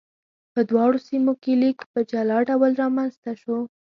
په دواړو سیمو کې لیک په جلا ډول رامنځته شو.